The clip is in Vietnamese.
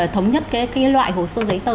thống nhất cái loại hồ sơ giấy tờ